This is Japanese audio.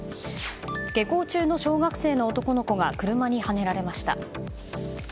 下校中の小学生の男の子が車にはねられました。